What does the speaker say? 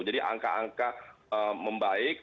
jadi angka angka membaik